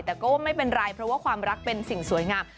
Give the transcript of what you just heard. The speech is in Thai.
แต่ก็ไม่เป็นไรเพราะว่าความรักเป็นสิ่งสวยงาม